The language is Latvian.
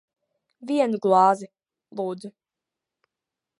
Vienu glāzi. Lūdzu.